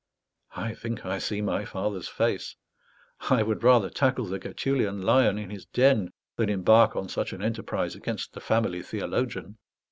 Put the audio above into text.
I think I see my father's face! I would rather tackle the Gætulian lion in his den than embark on such an enterprise against the family theologian.